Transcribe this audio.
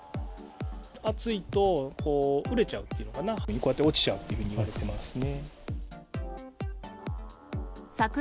暑いと熟れちゃうっていうのかな、こうやって落ちちゃうっていうふうにいわれてますね。